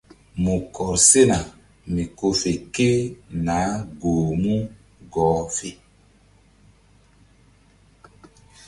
Mu kɔr sena mi ko fe ke nah goh mu gɔh fe.